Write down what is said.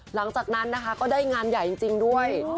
หลังจากนั้นนะคะก็ได้งานใหญ่จริงด้วย